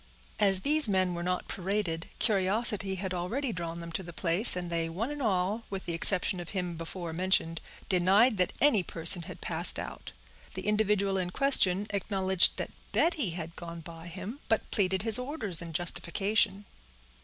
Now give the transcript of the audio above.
As these men were not paraded, curiosity had already drawn them to the place, and they one and all, with the exception of him before mentioned, denied that any person had passed out. The individual in question acknowledged that Betty had gone by him, but pleaded his orders in justification.